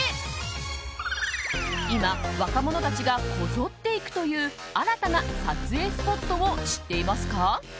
今、若者たちがこぞって行くという新たな撮影スポットを知っていますか？